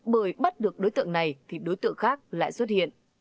bởi bắt được đối tượng này thì đối tượng khác lại xuất hiện